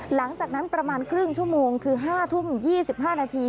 หลังจากนั้นประมาณครึ่งชั่วโมงคือ๕ทุ่ม๒๕นาที